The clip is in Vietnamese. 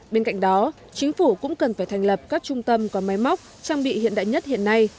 bên cạnh đó chính phủ cũng cần phải thành lập các trung tâm có máy móc trang bị hiện đại nhất hiện nay